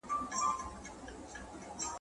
د دردونو او غمونو نرۍ لاري را ته ګوري ,